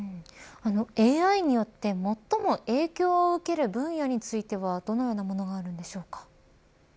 ＡＩによって最も影響を受ける分野についてはどのようなものがあるんでしょうか。